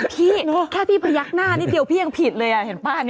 พี่แค่พี่พยักหน้านิดเดียวพี่ยังผิดเลยเห็นป่ะ